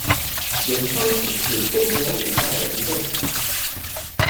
永昌府是中国古代的一个府。